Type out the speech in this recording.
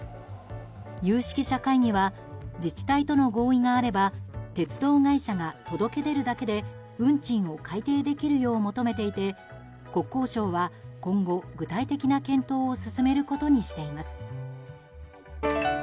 有識者会議は自治体との合意があれば鉄道会社が届け出るだけで運賃を改定できるよう求めていて、国交省は今後具体的な検討を進めることにしています。